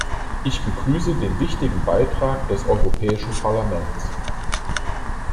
Ich begrüße den wichtigen Beitrag des Europäischen Parlaments.